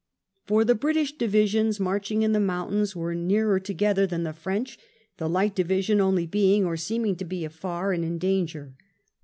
For the British divisions, marching in the mountains, were nearer together than the French, the Light Division only being, or seeming to be, afar and in danger.